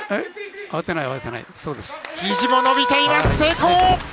慌てない、ひじも伸びています。